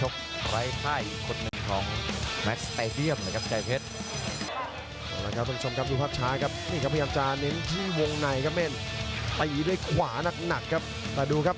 ขอบคุณคุณครับ